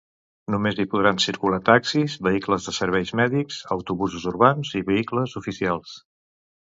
Només hi podran circular taxis, vehicles de serveis mèdics, autobusos urbans i vehicles oficials.